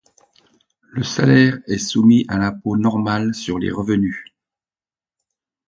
Le salaire est soumis à l'impôt normal sur les revenus.